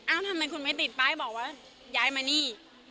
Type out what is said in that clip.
ทำไมคุณไม่ติดป้ายบอกว่าย้ายมานี่